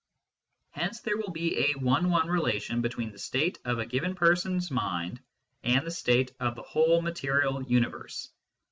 Hence there will be a one one relation between the state of a given person s mind and the state of the whole material universe.